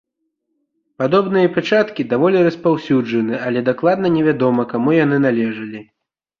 Падобныя пячаткі даволі распаўсюджаны, але дакладна не вядома каму яны належалі.